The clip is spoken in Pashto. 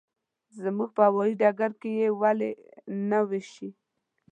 زموږ په هوايي ډګر کې یې ولې نه وېشي.